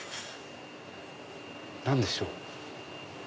何でしょう？